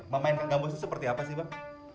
memainkan gambus itu seperti apa sih bang